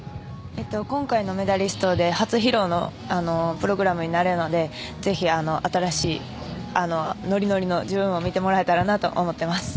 今回のメダリストで初披露のプログラムになるのでぜひ、新しいノリノリの自分を見てもらえたらなと思います。